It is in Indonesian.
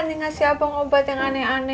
nih ngasih abang obat yang aneh aneh